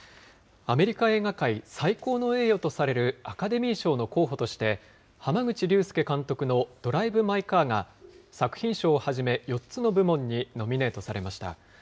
アメリカ映画界、最高の栄誉とされるアカデミー賞の候補として、濱口竜介監督のドライブ・マイ・カーが作品賞をはじめ４つの部門にノミネートされました。